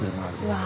わあ。